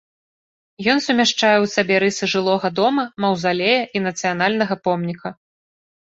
Ён сумяшчае ў сабе рысы жылога дома, маўзалея і нацыянальнага помніка.